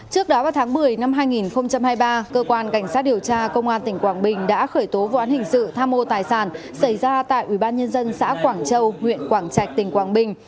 trước đó vào tháng một mươi năm hai nghìn hai mươi ba cơ quan cảnh sát điều tra công an tỉnh quảng bình đã khởi tố vụ án hình sự tham mô tài sản xảy ra tại ubnd xã quảng châu huyện quảng trạch tỉnh quảng bình